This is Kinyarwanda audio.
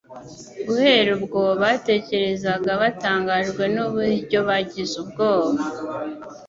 Guhera ubwo, batekerezaga batangajwe n'uburyo bagize ubwoba